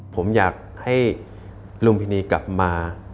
ผมอยากให้ลุงพินีกลับมา